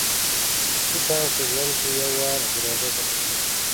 ښه چانس په ژوند کې یو وار دروازه ټکوي.